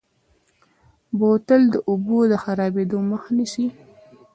بوتل د اوبو د خرابېدو مخه نیسي.